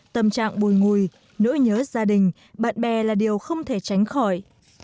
tâm trạng bùi ngùi nỗi nhớ gia đình bạn bè là điều không thể tránh khỏi